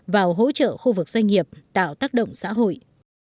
vào hỗ trợ khu vực doanh nghiệp tạo tác động xã hội